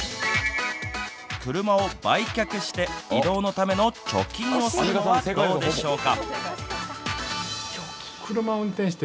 車を売却して移動のための貯金をするのはどうでしょうか。